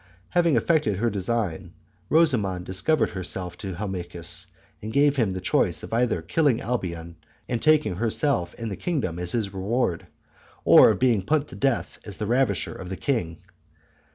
Having effected her design, Rosamond discovered herself to Helmichis, and gave him the choice either of killing Alboin, and taking herself and the kingdom as his reward, or of being put to death as the ravisher of the queen.